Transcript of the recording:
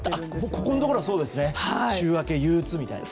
ここのところはそうですね週明け憂鬱みたいな。